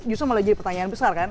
justru malah jadi pertanyaan besar kan